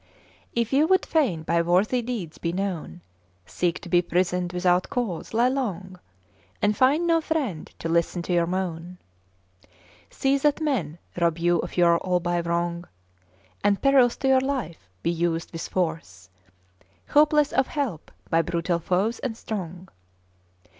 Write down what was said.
If you would fain by worthy deeds be known, Seek to be prisoned without cause, lie long, '' And find no friend to listen to your moan. See that men rob you of your all by wrong; Add perils to your life; be used with force, Hopeless of help, by brutal foes and strong.